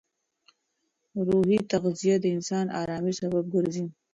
روحي تغذیه د انسان ارامۍ سبب ګرځي.